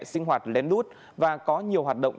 sinh hoạt lén lút và có nhiều hoạt động